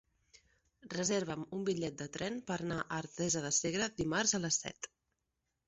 Reserva'm un bitllet de tren per anar a Artesa de Segre dimarts a les set.